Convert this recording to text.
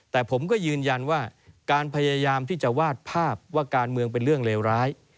แต่ผมก็ยืนยันว่าการพยายามที่จะวาดภาพว่าการเมืองเป็นเรื่องเลวร้าย